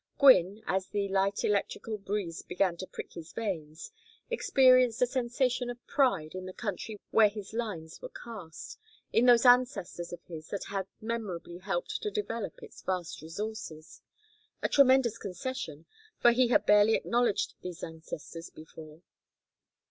Gwynne, as the light electrical breeze began to prick his veins, experienced a sensation of pride in the country where his lines were cast, in those ancestors of his that had memorably helped to develop its vast resources: a tremendous concession, for he had barely acknowledged these ancestors before.